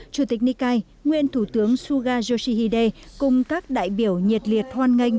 chủ tịch nicai nguyên thủ tướng suga yoshihide cùng các đại biểu nhiệt liệt hoan nghênh